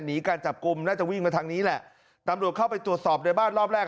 หนีการจับกลุ่มน่าจะวิ่งมาทางนี้แหละตำรวจเข้าไปตรวจสอบในบ้านรอบแรก